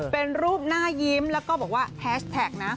เป็นรูปหน้ายิ้มแล้วก็บอกว่าแฮชแท็กนะ